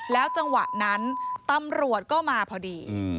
จังหวะนั้นตำรวจก็มาพอดี